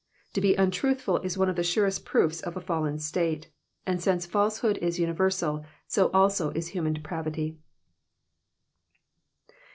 To be untruthful is one of the surest proofs of a fallen state, and since falsehood is universal, so also is human depravity.